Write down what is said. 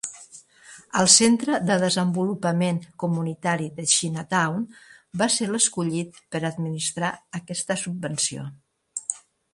El Centre de desenvolupament comunitari de Chinatown va ser l'escollit per administrar aquesta subvenció.